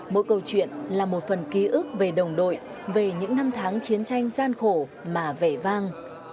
mỗi câu chuyện là một phần ký ức về đồng đội về những năm tháng chiến tranh gian khổ mà vẻ vang